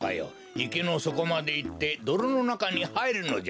いけのそこまでいってどろのなかにはいるのじゃ。